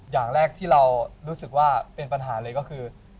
อย่างแรกที่เรารู้สึกว่าเป็นปัญหาเลยก็คือ